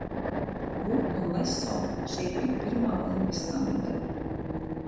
Gu un Leso šī bija pirmā olimpiskā medaļa.